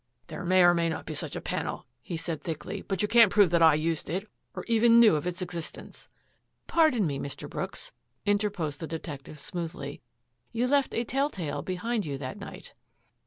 " There may or may not be such a panel," he 262 THAT AFFAIR AT THE MANOR said thickly, " but you can't prove that I used it, or even knew of its existence.'* " Pardon me, Mr. Brooks,*' interposed the de tective smoothly, " you left a tell tale behind you that night."